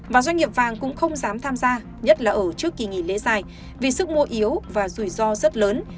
và doanh nghiệp vàng cũng không dám tham gia nhất là ở trước kỳ nghỉ lễ dài vì sức mua yếu và rủi ro rất lớn